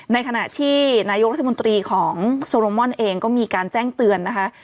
ในขณะที่นายกรัฐมนตรีของโซโรมอนเองก็มีการแจ้งเตือนนะคะ